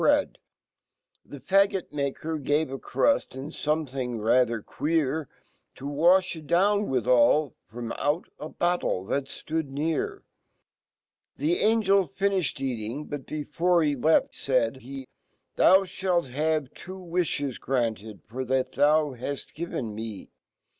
bread The faggt*maker gave a cruii and something rather queer TO wafKitdownwifhali ,fromauta battle fhal ftoodnear. The AngeLtfnifhed eating ; Sot Jbefcrehe left ,faid he , "Thou, fhalt have two v/ifhe> granted.'tor fhat fea haft given me.